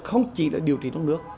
khó chỉ điều trị nước nước